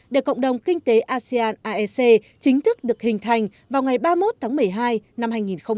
để cộng đồng kinh tế asean aec chính thức được hình thành vào ngày ba mươi một tháng một mươi hai năm hai nghìn hai mươi